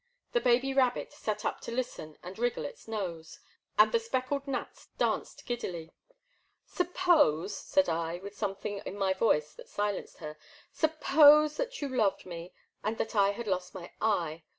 The baby rabbit sat up to listen and wriggle its nose, and the speckled gnats danced giddily. Suppose, said I, with something in my voice that silenced her, suppose that you loved me, and that I had lost my eye.